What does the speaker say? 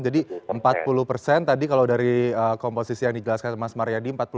jadi empat puluh tadi kalau dari komposisi yang digelaskan mas maryadi